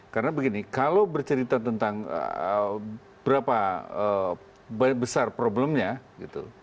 karena begini kalau bercerita tentang berapa besar problemnya gitu